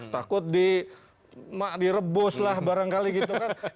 takut direbus lah barangkali gitu kan